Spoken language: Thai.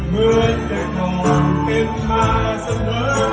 เหมือนจะนอนเป็นค่าเสมอ